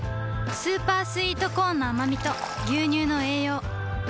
スーパースイートコーンのあまみと牛乳の栄養